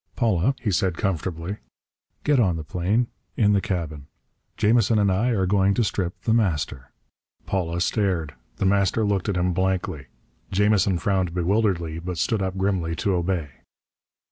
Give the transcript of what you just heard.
"Paula," he said comfortably, "get on the plane. In the cabin. Jamison and I are going to strip The Master." Paula stared. The Master looked at him blankly. Jamison frowned bewilderedly, but stood up grimly to obey.